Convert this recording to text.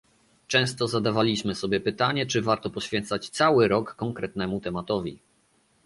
Często zadawaliśmy sobie pytanie, czy warto poświęcać cały rok konkretnemu tematowi